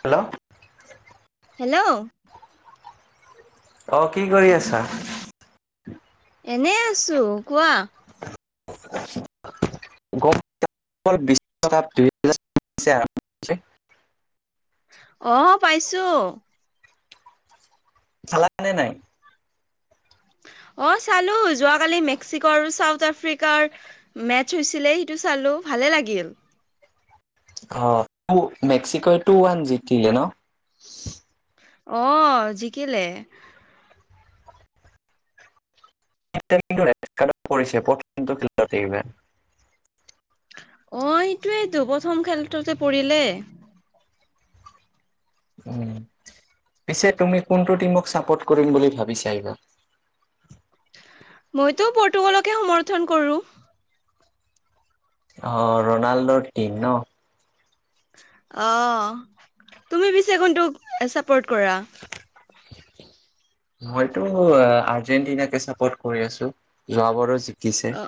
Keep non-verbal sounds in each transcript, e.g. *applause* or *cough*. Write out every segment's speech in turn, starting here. Hello hello অ কি কৰি আছা এনে আছো কোৱা বিশ্বকাপ দুহেজাৰ আৰম্ভ হৈছে *unintelligible* অহ পাইছো চালা নে নাই অ চালো যোৱাকালি মেক্সিকো আৰু চাউথ আফ্ৰিকাৰ মেচ হৈছিলে সেইটো চালো ভালে লাগিল অ মেক্সিকো টু ওৱান জিকিলে ন অহ জিকিলে পৰিছে পৰ্যন্ত খেলতেব *unintelligible* অ এইটোৱেটো প্ৰথম খেলতে পৰিলে উম পিছে তুমি কোনটো টিমক চাপৰ্ট কৰিম বুলি ভাবিছা এইবাৰ মইতো পৰ্তুগালকে সমৰ্থন কৰো অ ৰনাল্ড টিম ন অ তুমি পিছে কোনটোক চাপৰ্ট কৰা মইতো আৰ্জেন্টিনাকে চাপৰ্ট কৰি আছো যোৱাবাৰো জিকিছে অ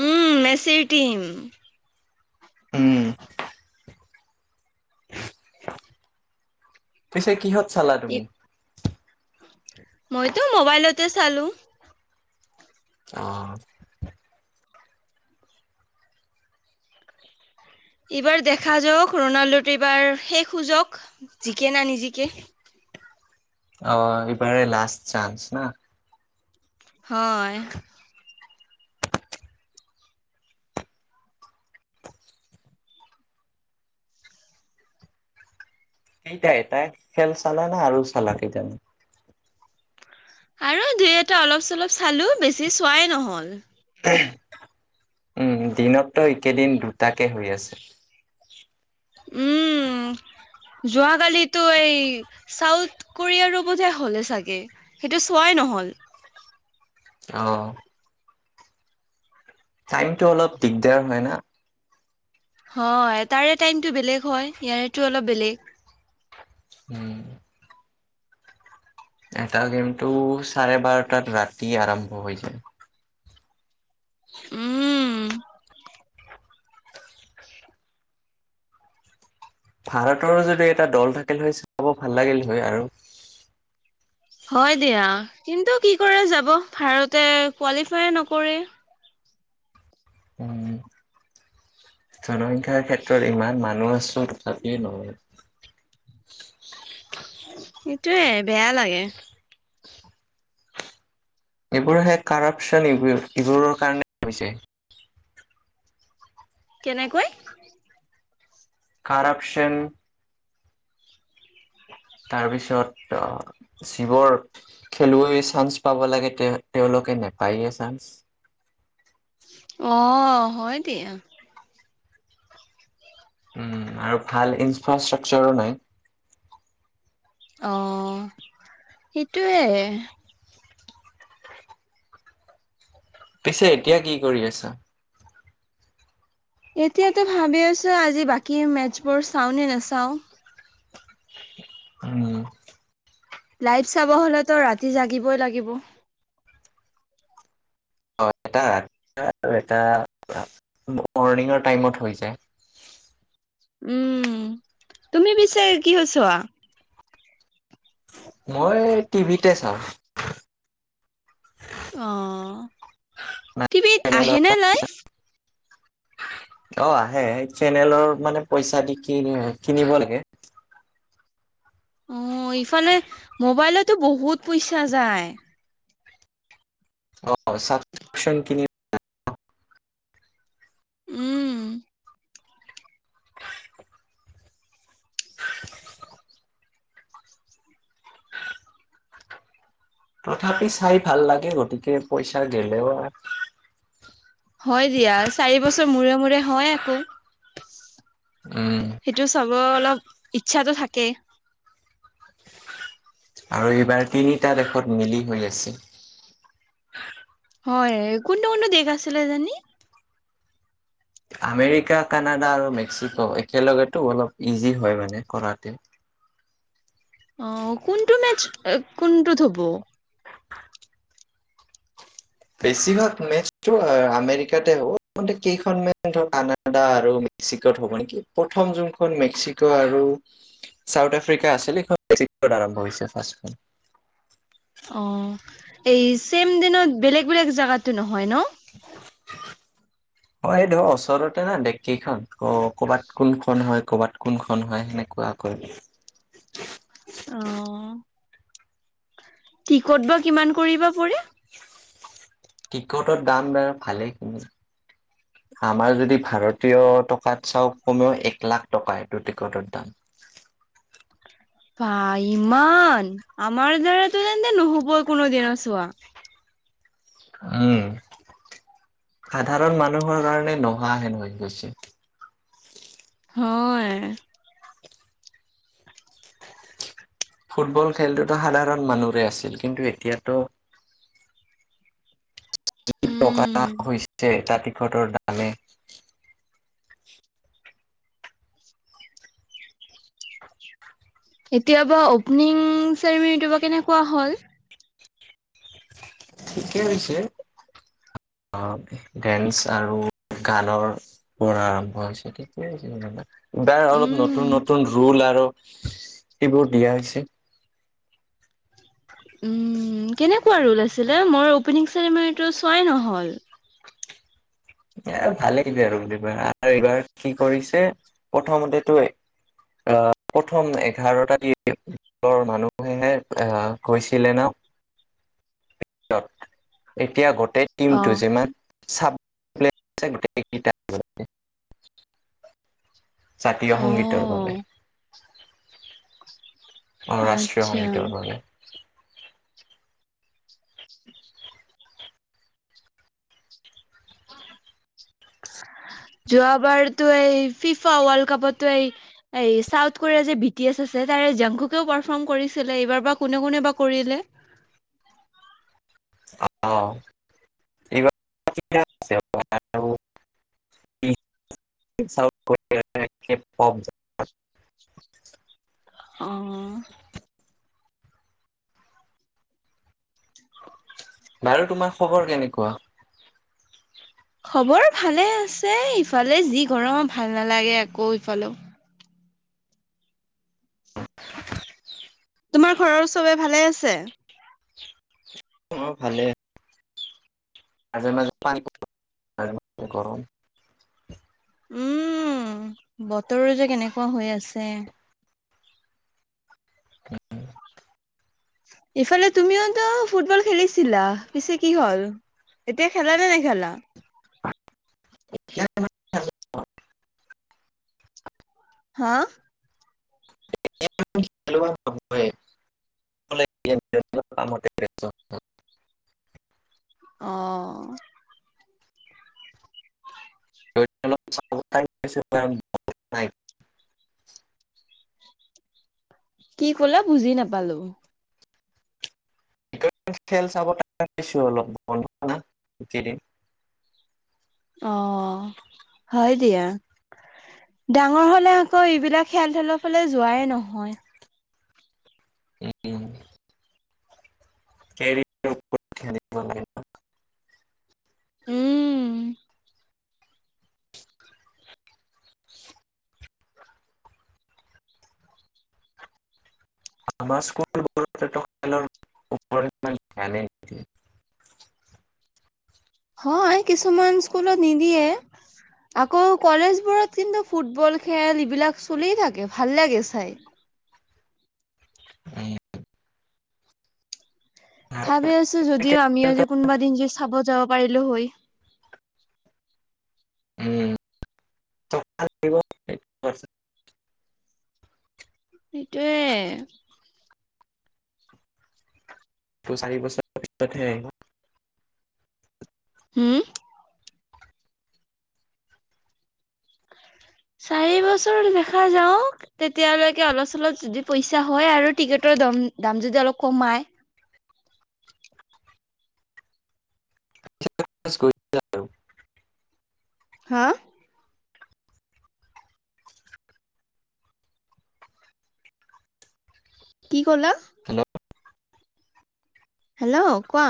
উম মেচিৰ টিম উম পিছে কিহত চালা তুমি ই- মইতো মোবাইলতে চালো অহ এইবাৰ দেখা যাওক ৰনাল্ডোত এইবাৰ শেষ যোজক জিকে না নিজিকে অ এইবাৰে লাষ্ট চান্স না হয় সেইটাই এ তাই খেল চালা না আৰু চালা কেইটামান আৰু দুই এটা অলপ চলপ চালো বেছি চোৱাই নহল উম দিনতো এইকেদিন দুটাকে হৈ আছে উম যোৱাকালিতো এই চাউথ কোৰিয় পধে হ'লে চাগে সেইটো চোৱাই নহল অহ টাইমটো অলপ দিগদাৰ হয় না হয় তাৰে টাইমতটো বেলেগ হয় ইয়াৰেতো অলপ বেলেগ উম এটা গেমটো চাৰে বাৰটাত ৰাতি আৰম্ভ হৈ যায় উম ভাৰতৰো যদি এটা দল থাকিল হয় চাব ভাল লাগিল হয় আৰু হয় দিয়া কিন্তু কি কৰে যাব ভাৰতে কোৱালিফাই নকৰে উম জনসংখ্যাৰ ক্ষেত্ৰত ইমান মানুহ আছো তথাপি নহয় সেইটোৱে বেয়া লাগে এইবোৰহে কাৰেপচন এইবোৰৰ কাৰণে হৈছে কেনেকৈ কাৰাপচন তাৰপিছত যিবোৰ খেলুৱৈ চান্স পাব লাগে তেওঁ তেওঁলোকে নেপায়েই চান্স অহ হয় দিয়া উম আৰু ভাল ইনফ্ৰাষ্ট্ৰাকচাৰো নাই অ সেইটোৱে পিছে এতিয়া কি কৰি আছ এতিয়াতো ভাবি আছো আজি বাকী মেচছবোৰ চাওঁ নে নাচাওঁ উম লাইট চাব হ'লেতো ৰাতি জাগিবই লাগিব এ আৰু এটা মৰ্ণিঙৰ টাইমত হৈ যায় উম তুমি পিছে কিহত চোৱা মই টিভিতে চাওঁ অ টিভিত চেনেলৰ আহে নে লাইভ অ আহে চেনেলৰ মানে পইচা দি কিনি কিনিব লাগে অ ইফালে মোবাইলত টো বহুত পইচা যায় অ ছাবক্ৰিপ্যন কিনি উম, *unintelligible* তথাপি চাই ভাল লাগে গতিকে পইচা গেলেও হয় দিয়া চাৰি বছৰ মূৰে মূৰে হয় আকৌ উম সেইটো চাব অলপ ইচ্ছাটো থাকে আৰু এইবাৰ তিনিটা দেশত মিলি হৈ আছে হয় কোনটো কোনটো দেশ আছিলে জানি আমেৰিকা কানাডা আৰু মেক্সিকো একেলগেতো অলপ ইজি হয় মানে কৰাতে অ কোনটো মেচ কোনটোত হব বেছিভাগ মেচটো আমেৰিকাতে হ'ব কেইখন মেচট কানাডা আৰু মেক্সিকোত হ'ব নেকি প্ৰথম যোনখন মেক্সিকো আৰু চাউথ আফ্ৰিকা আছিল সেইখন মেক্সিকোত আৰম্ভ হৈছে অ এই ছেম দিনত বেলেগ বেলেগ জেগাততো নহয় ন হয় এই ধৰ ওচৰতে না দেশকেইখন অ কবাত কোনখন হয় কৰবাত কোনখনন হয় সেনেকুৱা কৈ অ টিকট বা কিমান কৰিবা পৰি টিকটৰ দাম বাৰ ভালেইখিনি আমাৰ যদি ভাৰতীয় টকাত চাওক কমেও এক লাখ টকা এইটো টিকটৰ দাম বা ইমান আমাৰ দ্বাৰাতো তেন্তে নহ'ব কোনোদিনে চোৱা উম সাধাৰণ মানুহৰ কাৰণে নোহোৱা হৈ গৈছে হয় ফুটবল খেলটোতো সাধাৰণ মানুহৰে আছিল কিন্তু এতিয়াতো টকা হৈছে তাত ফটৰ ডালে এতিয়াবা অপেনিং চেৰিমনীটোৰ বা কেনেকুৱা হ'ল ঠিকেই হৈছে ডেন্স আৰু গানৰ পৰা আৰম্ভ হৈছে ঠিকেই হৈছে যো বাৰ অলপ উম। নতুন নতুন ৰুল আৰু সেইবোৰ দিয়া হৈছে উ কেনেকুৱা ৰোল আছিলে মই অপেনিং চেৰিমনীটো চোৱাই নহ'ল এ ভালেখিনি আৰু বিব আৰু এইবাৰ কি কৰিছে প্ৰথমতেতো আহ প্ৰথম এঘাৰটা দি মানুহেনে আহ গৈছিলে ন এতিয়া গোটে ই অ'। টিমটো যিমান চাপ *unintelligible* জাতীয় সংগীতৰ বাবে অ', *inaudible* অ ৰাষ্ট্ৰীয় আচ্ছা। সংগীতৰ বাবে *inaudible* যোৱাবাৰতো এই ফিফা ৱৰ্ল্ড কাপতো এই চাউথ কোৰিয়াৰ যে বি টি এছ আছে তাৰে জাংখুকেও পাৰফৰ্ম কৰিছিলে এইবাৰ বা কোনে কোনে বা কৰিলে অহ এইবাৰ *inaudible* অ বাৰু তোমাৰ খবৰ কেনেকুৱা খবৰ ভালে আছে ইফালে যি গৰম ভাল নালাগে আকৌ ইফালেও *inaudible* তোমাৰ ঘৰৰ চবে ভালে আছে? অঁ অঁ ভালে মাজে মাজে পাওঁ মাজে মাজে গৰম উম বতৰ যে কেনেকুৱা হৈ আছে ইফালে তুমিওতো ফুটবল খেলিছিলা পিছে কি হল এতিয়া খেলা নে নেখেলা *inaudible* হাঁ *inaudible* অঁ *inaudible* কি কলা বুজি নাপালো খেল চাব টাইম পাইছো অলপ বন্ধ না অঁ হয় দিয়া ডাঙৰ হলে আকৌ এইবিলাক খেল ধেলৰ ফালে যোৱাই নহয় উম কেৰিয়াৰ ওপৰত গুৰুত্ব দিব লাগে উম আমাৰ স্কুলৰ ফালৰ ওপৰত একো কাণে নিদিয়ে হয় কিছুমান স্কুলত নিদিয়ে আকৌ কলেজবোৰত কিন্তু ফুটবল খেল এইবিলাক চলিয়েই থাকে ভাল লাগে চাই উম নিদিয়ে। ভাবি আছো যদি যদিও আমি কোনোবা দিন যে খাব যাব পাৰিলো হয় উম টকা লাগিব এক পাৰচেন সেইটোৱে চাৰিবছৰ পাছত হে আহিব হম চাৰি বছৰ দেখা যাওঁক তেতিয়ালৈকে অলপ চলপ যদি পইচা হয় আৰু টিকেটৰ দম দাম যদি অলপ কমাই কৰি দিয়া আৰু হাঁ কি কলা? হেল্ল'। হেল্ল' কোৱা